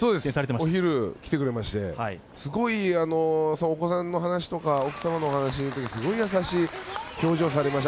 お昼来てくださいましてすごいお子さんの話とか奥さまの話をすごい優しい表情をされまして。